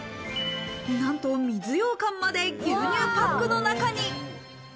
なんと水ようかんまで牛乳パックの中に。